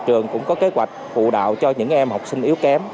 chúng tôi cũng có kế hoạch phụ đạo cho những em học sinh yếu kém